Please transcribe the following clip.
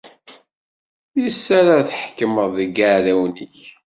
Yis-s ara tḥekmeḍ deg yiɛdawen-ik.